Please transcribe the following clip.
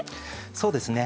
そうですね